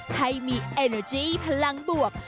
ให้มีแอนเตอร์จีพลังบวก